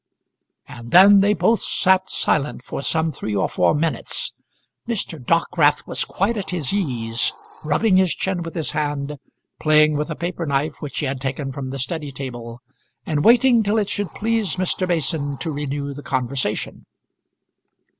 And then they both sat silent for some three or four minutes. Mr. Dockwrath was quite at his ease, rubbing his chin with his hand, playing with a paper knife which he had taken from the study table, and waiting till it should please Mr. Mason to renew the conversation.